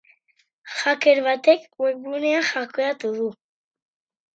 Hacker batek webgunea hackeatu du.